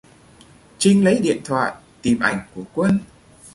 Trinh lấy điện thoại Tìm ảnh của quân